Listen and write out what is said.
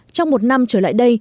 trong một năm trở lại đây